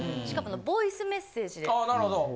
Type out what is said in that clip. しかもボイスメッセージで。